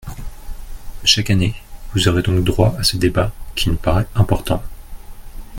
Chaque année, vous aurez donc droit à ce débat qui nous paraît important.